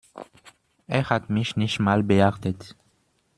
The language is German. Er hat mich nicht mal beachtet.